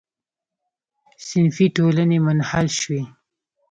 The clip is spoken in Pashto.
صنفي ټولنې منحل شوې.